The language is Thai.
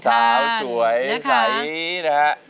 สาวสวยใสนะฮะ